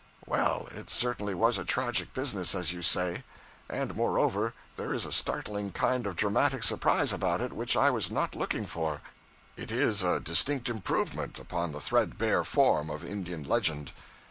'Well, it certainly was a tragic business, as you say. And moreover, there is a startling kind of dramatic surprise about it which I was not looking for. It is a distinct improvement upon the threadbare form of Indian legend.